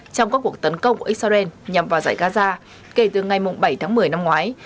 trong các cuộc tấn công của israel nhằm vào giải gaza kể từ ngày bảy tháng một mươi năm ngoái